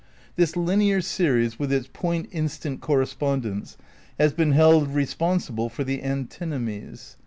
This linear series with its point instant correspond ence has been held responsible for the antinomies.